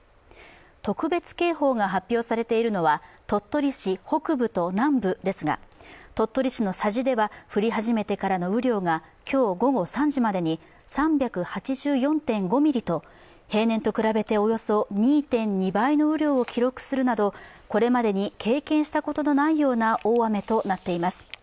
特別警報が発表されているのは鳥取市北部と南部ですが鳥取市の佐治では降り始めてからの雨量が今日午後３時までに３８４．５ミリと平年と比べておよそ２．２倍の雨量を記録するなど、これまでに経験したことのないような大雨となっています。